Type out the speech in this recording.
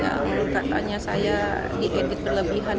ya menurut katanya saya diedit berlebihan